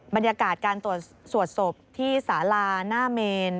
บรรยากาศการสวดศพที่สาลาหน้าเมน